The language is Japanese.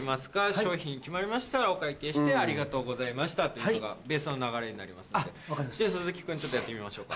商品決まりましたらお会計して「ありがとうございました」がベースの流れになりますので鈴木君やってみましょうか。